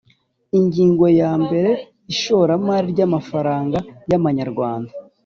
Ingingo yambere Ishoramari ry amafaranga yamanyarwanda